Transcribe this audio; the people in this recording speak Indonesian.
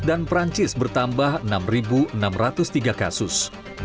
dan perancis bertambah enam enam ratus tiga kasus